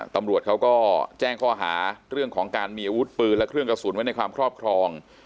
ตำรวจเขาก็แจ้งข้อหาเรื่องของการมีอาวุธปืนและเครื่องกระสุนไว้ในความครอบครอง